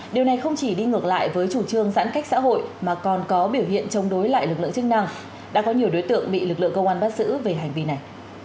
điều này không chỉ đi ngược lại với chủ trương giãn cách xã hội mà còn có biểu hiện chống đối lại lực lượng chức năng đã có nhiều đối tượng bị lực lượng công an bắt giữ về hành vi này